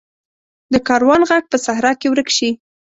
د کاروان ږغ په صحرا کې ورک شي.